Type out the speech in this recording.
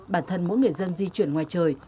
bản thân mỗi người dân di chuyển ngoài trời